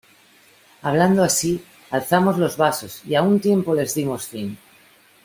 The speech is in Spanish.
hablando así, alzamos los vasos y a un tiempo les dimos fin.